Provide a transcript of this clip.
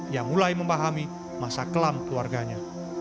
yang mulai memahami masa kelam keluarganya